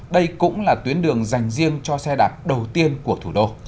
đây cũng là tuyến đường dành riêng cho xe đạp đầu tiên của thủ đô